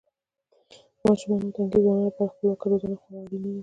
ماشومانو او تنکیو ځوانانو لپاره خپلواکه روزنه خورا اړینه ده.